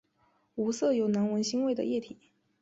无色有难闻腥味的液体。